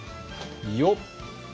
よっ。